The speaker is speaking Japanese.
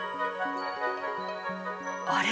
あれ？